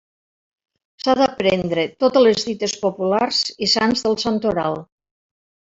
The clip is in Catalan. S'ha d'aprendre totes les dites populars i sants del santoral.